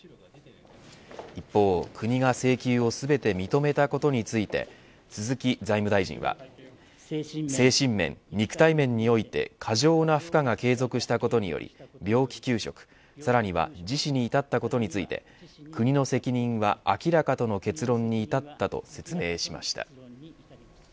一方、国が請求を全て認めたことについて鈴木財務大臣は精神面、肉体面において過剰な負担負荷が継続したことにより病気休職、さらには自死に至ったことについて国の責任は明らかとの結論に至ったと説明しました。